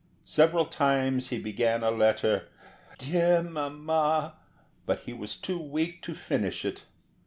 Several times he began a letter, "Dear Mamma," but he was too weak to finish it.